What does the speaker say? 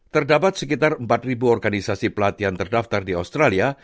terdapat sekitar empat organisasi pelatihan terdaftar di australia